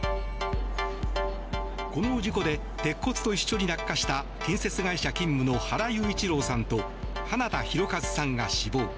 この事故で鉄骨と一緒に落下した建設会社勤務の原裕一郎さんと花田大和さんが死亡。